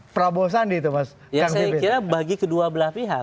prabowo sandi itu mas saya kira bagi kedua belah pihak